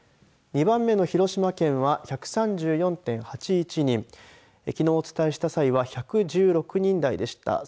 ２番目の広島県は１３４．８１人きのうをお伝えした際は１１６人台でした。